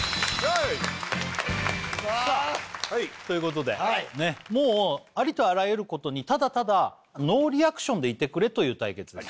さあということでねっもうありとあらゆることにただただノーリアクションでいてくれという対決です